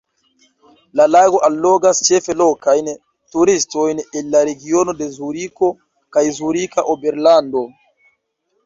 La lago allogas ĉefe lokajn turistojn el la regiono de Zuriko kaj Zurika Oberlando.